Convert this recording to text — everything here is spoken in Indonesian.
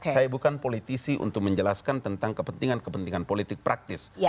saya bukan politisi untuk menjelaskan tentang kepentingan kepentingan politik praktis